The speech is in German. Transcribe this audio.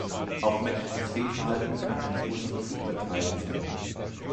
Auch menschliches Fehlverhalten kann eine Ursache für Übertreiben sein.